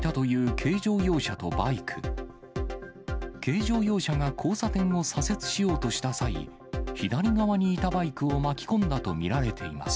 軽乗用車が交差点を左折しようとした際、左側にいたバイクを巻き込んだと見られています。